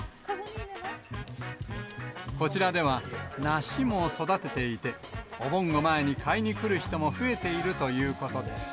こちらでは、梨も育てていて、お盆を前に買いに来る人も増えているということです。